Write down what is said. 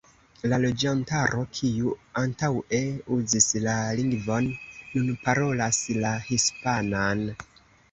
La loĝantaro, kiu antaŭe uzis la lingvon, nun parolas la hispanan.